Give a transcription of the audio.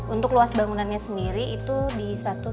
untuk luas bangunannya sendiri itu di satu ratus tujuh puluh